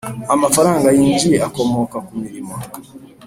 amafaranga yinjiye akomoka ku mirimo